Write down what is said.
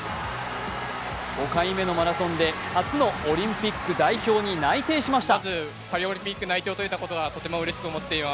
５回目のマラソンで初のオリンピック代表に内定しました。